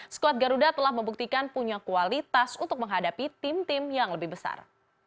skuad garuda telah membuktikan punya kualitas untuk menghadapi tim tim yang lebih besar